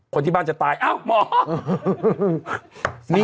คนที่บ้านจะตายอ้าวหมอ